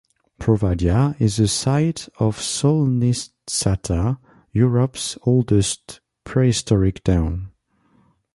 Provadia is the site of Solnitsata, Europe's oldest prehistoric town.